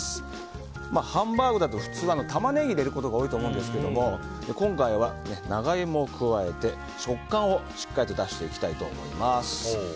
ハンバーグだと普通、タマネギ入れることが多いと思うんですけど今回は長イモを加えて食感をしっかり出していきたいと思います。